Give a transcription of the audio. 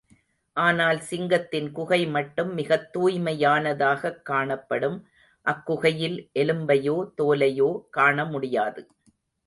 ஆனால் சிங்கத்தின் குகை மட்டும் மிகத் தூய்மையானதாகக் காணப்படும், அக்குகையில் எலும்பையோ தோலையோ காணமுடியாது.